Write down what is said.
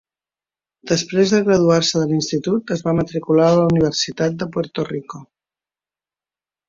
Després de graduar-se de l'institut, es va matricular a la Universitat de Puerto Rico.